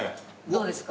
どうですか？